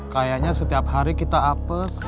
kayaknya setiap hari kita apes